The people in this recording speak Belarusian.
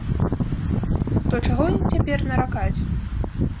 То чаго ім цяпер наракаць?